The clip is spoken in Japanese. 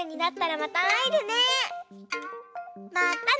またね！